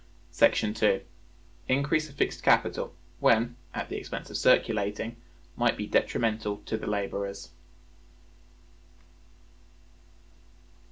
§ 2. Increase of Fixed Capital, when, at the Expense of Circulating, might be Detrimental to the Laborers.